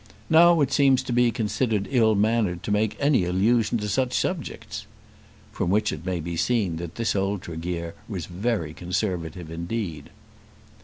Now it seems to be considered ill mannered to make any allusion to such subjects!" From which it may be seen that this old Tregear was very conservative indeed.